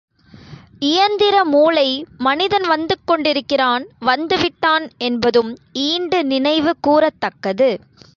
இயந்திர மூளை மனிதன் வந்து கொண்டிருக்கிறான் வந்து விட்டான் என்பதும் ஈண்டு நினைவு கூரத்தக்கது.